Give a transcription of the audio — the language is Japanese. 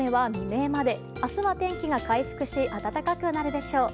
明日は天気が回復し暖かくなるでしょう。